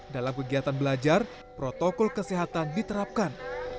dalam kegiatan belajar protokol kesehatan diterapkan